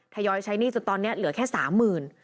ถยอยใช้หนี้จนตอนเนี้ยเหลือแค่สามหมื่น